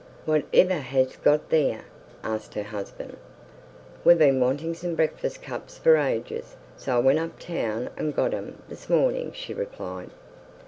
"Whativer hast got theer?" asked her husband. "We've been wantin' some breakfast cups for ages, so I went up town an' got 'em this mornin'," she replied.